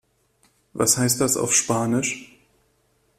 Was heißt das auf Spanisch?